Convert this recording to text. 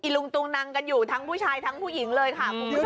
อีลุงตูนักอยู่ทั้งผู้ชายทั้งผู้หญิงเลยค่ะ